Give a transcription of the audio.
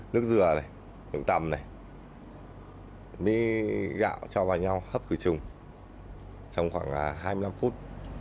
nước dừa này nướng tầm này miếng gạo cho vào nhau hấp cửa chung trong khoảng hai mươi năm phút